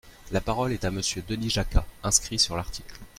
La parole est à Monsieur Denis Jacquat, inscrit sur l’article.